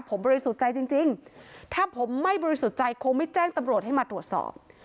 ผมบริสุทธิ์ใจจริงถ้าผมไม่บริสุทธิ์ใจคงไม่แจ้งตำรวจให้มาตรวจสอบ